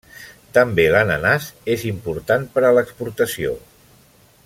També l'ananàs és important, per a l'exportació.